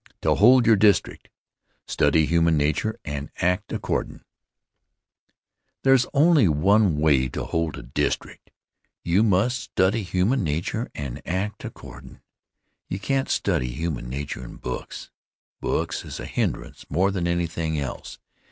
To Hold Your District: Study Human Nature and Act Accordin' There's only one way to hold a district: you must study human nature and act accordin'. You can't study human nature in books. Books is a hindrance more than anything else.